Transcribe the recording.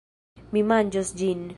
Mi manĝos ĝin.